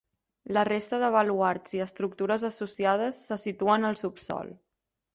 La resta de baluards i estructures associades se situen al subsòl.